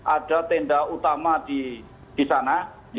ada tenda utama di sana